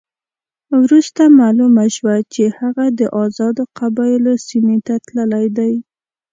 وروسته معلومه شوه چې هغه د آزادو قبایلو سیمې ته تللی دی.